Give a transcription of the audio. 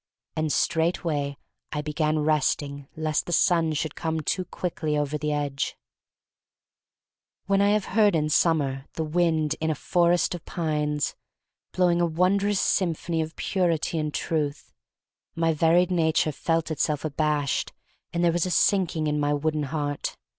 And straightway I began resting lest the sun should come too quickly over the edge. \ 174 THE STORY OF MARY MAC LANE When I have heard in summer the wind in a forest of pines, blowing a wondrous symphony of purity and truth, my varied nature felt itself abashed and there was a sinking in my wooden heart.